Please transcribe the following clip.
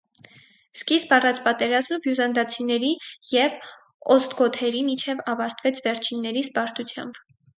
Սկիզբ առած պատերազմը բյուզանդացիների և օստգոթերի միջև ավարտվեց վերջիններիս պարտությամբ։